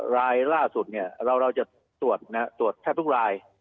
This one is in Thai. รายล่าสุดเนี่ยเราจะตรวจตรวจแทบทุกราย